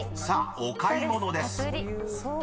［さあお買い物です］